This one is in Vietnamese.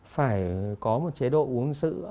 phải có một chế độ uống sữa